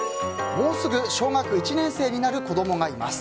もうすぐ小学１年生になる子供がいます。